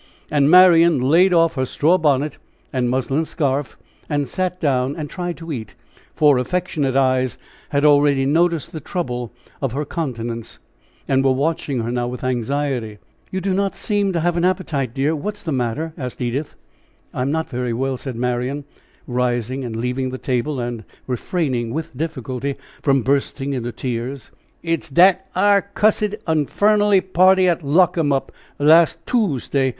And Marian laid off her straw bonnet and muslin scarf and sat down and tried to eat, for affectionate eyes had already noticed the trouble of her countenance, and were watching her now with anxiety. "You do not seem to have an appetite, dear; what is the matter?" asked Edith. "I am not very well," said Marian, rising and leaving the table, and refraining with difficulty from bursting into tears. "It's dat ar cussed infunnelly party at Lockemup last Toosday!"